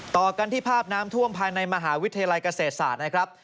ต่อกันที่ภาพน้ำท่วมภายในมหาวิทยาลัยเกษตรศาสตร์นะครับ